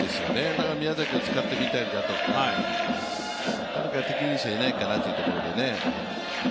だから宮崎を使ってみたりだとか、誰か適任者いないかなというところでね。